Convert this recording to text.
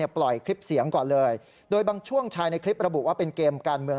ปล่อยคลิปเสียงก่อนเลยโดยบางช่วงชายในคลิประบุว่าเป็นเกมการเมือง